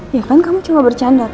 ya kan kamu coba bercanda kan